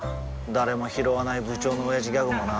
誰もひろわない部長のオヤジギャグもな